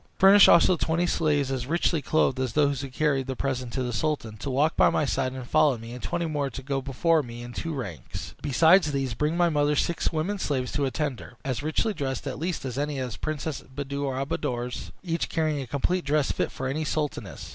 Furnish also twenty slaves, as richly clothed as those who carried the present to the sultan, to walk by my side and follow me, and twenty more to go before me in two ranks. Besides these, bring my mother six women slaves to attend her, as richly dressed at least as any of the Princess Buddir al Buddoor's, each carrying a complete dress fit for any sultaness.